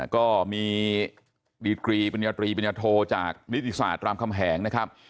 ก็มีดีตรีบริญญาโทจากนิติศาสตร์รามคำแหงนะครับ